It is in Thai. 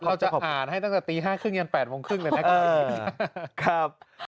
เราจะอ่านให้ตั้งแต่ตี๕๓๐ยัน๘โมงครึ่งเลยนะครับ